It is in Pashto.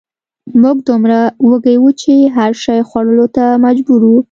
موږ دومره وږي وو چې هر شي خوړلو ته مجبور وو